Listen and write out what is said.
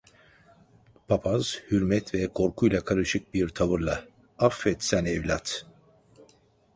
Papaz hürmet ve korkuyla karışık bir tavırla: - Affet sen evlat.